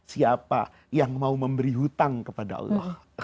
siapa yang mau memberi hutang kepada allah